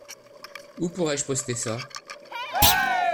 Où pourrais-je poster ça ?